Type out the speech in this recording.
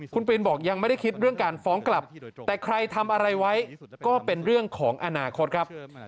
คุณปีนบอกยังไม่ได้คิดเรื่องการฟ้องกลับแต่ใครทำอะไรไว้ก็เป็นเรื่องของอนาคตครับ